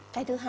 cái thứ hai